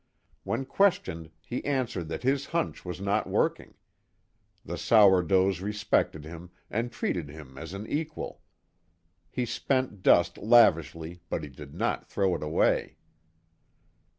When questioned he answered that his hunch was not working. The sourdoughs respected him and treated him as an equal. He spent dust lavishly but he did not throw it away.